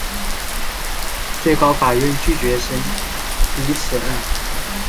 最高法院拒绝审理此案。